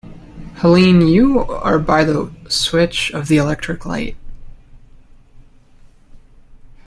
Helene, you are by the switch of the electric light.